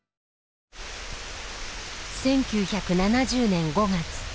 １９７０年５月。